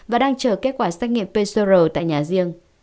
và đang chờ kết quả xét nghiệm pcr tại nhà riêng